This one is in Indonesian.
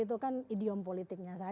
itu kan idiom politiknya